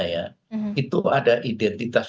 ya itu ada identitas